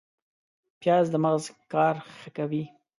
پیاز د مغز کار ښه کوي